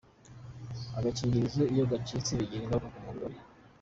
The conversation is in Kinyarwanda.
Agakingirizo iyo gacitse bigira ingaruka ku mugore.